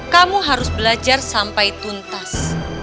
kamu harus belajar sampai tuntas